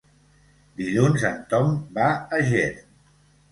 Dilluns en Tom va a Ger.